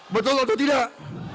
betul atau tidak